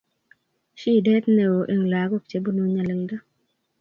shidet neoo eng lakok chebunu nyalilda